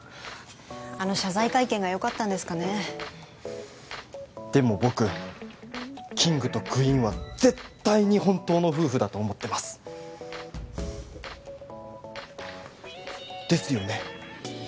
あの謝罪会見がよかったんですかねでも僕キングとクイーンは絶対に本当の夫婦だと思ってますですよね？